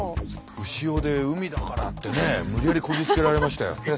潮で海だからってねえ無理やりこじつけられましたよ。